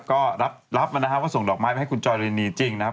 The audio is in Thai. ก็รับมานะฮะว่าส่งดอกไม้ไปให้คุณจอยรินีจริงนะครับ